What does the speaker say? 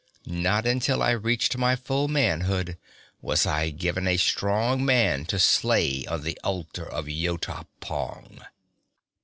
Not until I reached my full manhood was I given a strong man to slay on the altar of Yota pong.